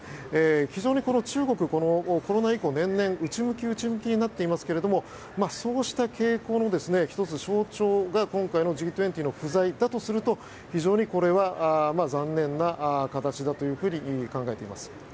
非常に中国、コロナ以降年々内向き内向きになっていますがそうした傾向の１つ象徴が今回のＧ２０の不在だとすると非常にこれは残念な形だと考えています。